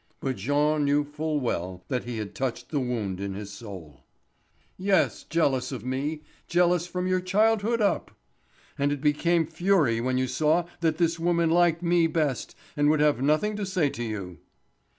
But Jean knew full well that he had touched the wound in his soul. "Yes, jealous of me—jealous from your childhood up. And it became fury when you saw that this woman liked me best and would have nothing to say to you."